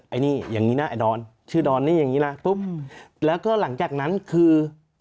ไอ้นี่อย่างนี้นะไอ้ดอนชื่อดอนนี่อย่างนี้นะปุ๊บแล้วก็หลังจากนั้นคือ